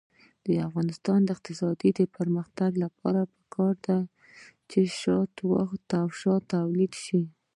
د افغانستان د اقتصادي پرمختګ لپاره پکار ده چې شات تولید شي.